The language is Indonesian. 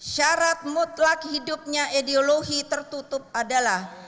syarat mutlak hidupnya ideologi tertutup adalah